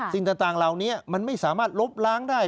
สิ่งต่างเหล่านี้มันไม่สามารถลบล้างได้